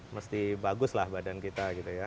mesti baguslah badan kita